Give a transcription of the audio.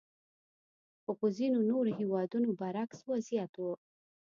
خو په ځینو نورو هېوادونو برعکس وضعیت وو.